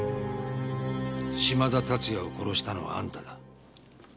嶋田龍哉を殺したのはあんただ。